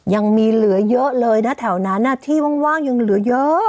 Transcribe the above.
ยังมีเหลือเยอะเลยนะแถวนั้นที่ว่างยังเหลือเยอะ